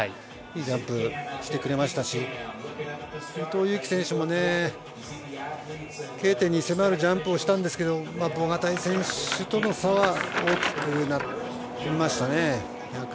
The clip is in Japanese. いいジャンプをしてくれましたし伊藤有希選手もＫ点に迫るジャンプをしたんですがボガタイ選手との差は大きくなりましたね。